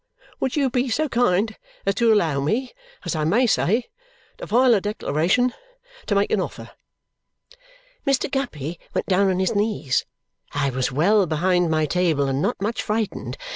Would you be so kind as to allow me (as I may say) to file a declaration to make an offer!" Mr. Guppy went down on his knees. I was well behind my table and not much frightened.